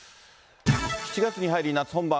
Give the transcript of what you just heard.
７月に入り夏本番。